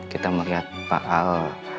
kita melihat pak al